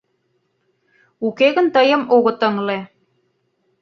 Уке гын тыйым огыт ыҥле.